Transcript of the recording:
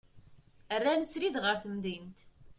Rran srid ɣer temdint.